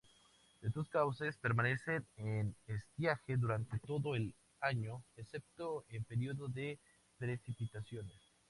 Estos cauces permanecen en estiaje durante todo el año excepto en periodo de precipitaciones.